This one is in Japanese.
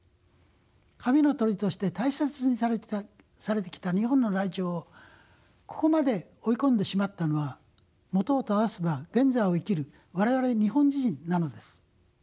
神の鳥として大切にされてきた日本のライチョウをここまで追い込んでしまったのはもとをただせば現在を生きる我々日本人なのです。